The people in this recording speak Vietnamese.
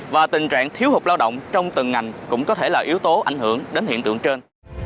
và tình trạng thiếu hụt lao động trong từng ngành cũng có thể là yếu tố ảnh hưởng đến hiện tượng trên